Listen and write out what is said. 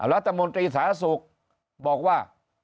รัฐมนตรีสหสุกบอกว่า